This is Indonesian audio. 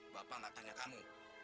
bapak nak tanya kamu